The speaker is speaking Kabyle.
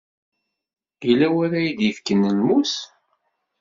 Yella w ara yi-d-yefken lmus?